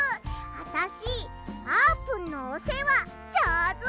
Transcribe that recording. あたしあーぷんのおせわじょうず！